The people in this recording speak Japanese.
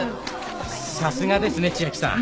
さすがですね千明さん。